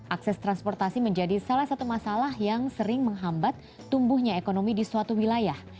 akses transportasi menjadi salah satu masalah yang sering menghambat tumbuhnya ekonomi di suatu wilayah